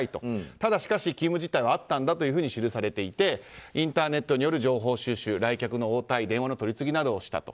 ただ勤務実態はあったんだというふうに記されていてインターネットによる情報収集来客の応対電話の取り次ぎなどをした。